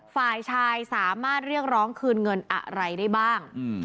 ฝ่ายชายสามารถเรียกร้องคืนเงินอะไรได้บ้าง